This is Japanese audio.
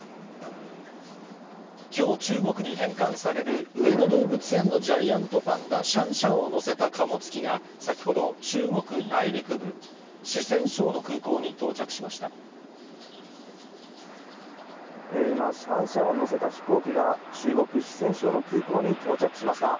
きょう中国に返還される上野動物園のジャイアントパンダ、シャンシャンを乗せた貨物機が、先ほど中国内陸部、四川省の空港今、シャンシャンを乗せた飛行機が、中国・四川省の空港に到着しました。